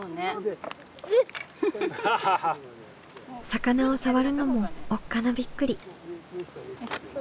魚を触るのもおっかなびっくり。